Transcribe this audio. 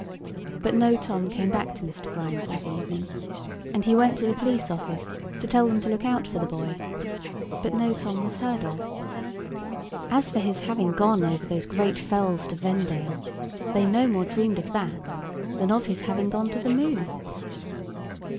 But no Tom came back to Mr. Grimes that evening; and he went to the police office, to tell them to look out for the boy. But no Tom was heard of. As for his having gone over those great fells to Vendale, they no more dreamed of that than of his having gone to the moon.